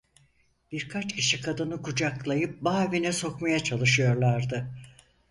Birkaç kişi kadını kucaklayıp bağ evine sokmaya çalışıyorlardı.